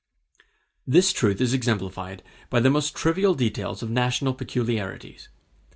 This truth is exemplified by the most trivial details of national peculiarities.